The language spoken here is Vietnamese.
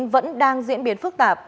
vẫn đang diễn biến phức tạp